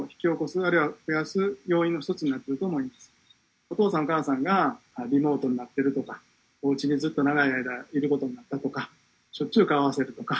お父さんお母さんがリモートになってるとか、家に長い間いるとかしょっちゅう顔を合わせるとか。